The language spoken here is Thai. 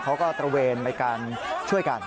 เขาก็ตระเวนไปการช่วยกัน